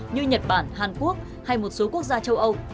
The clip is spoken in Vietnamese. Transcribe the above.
như nhật bản hàn quốc hay một số quốc gia châu âu